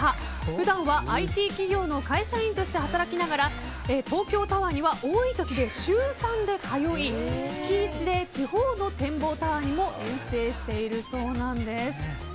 普段はＩＴ企業の会社員として働きながら東京タワーには多い時で週３で通い月１で地方の展望タワーにも遠征しているそうなんです。